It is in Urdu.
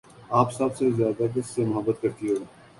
آپ سب سے زیادہ کس سے محبت کرتی ہو؟